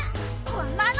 こんなの！